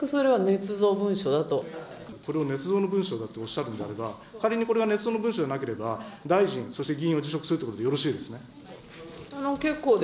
これをねつ造の文書だとおっしゃるんであれば、仮にこれがねつ造の文書でなければ、大臣、そして議員を辞職するということでよろしいですね。